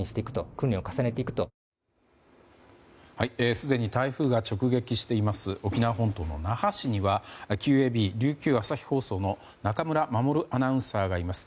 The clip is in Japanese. すでに台風が直撃しています沖縄本島の那覇市にはＱＡＢ琉球朝日放送の中村守アナウンサーがいます。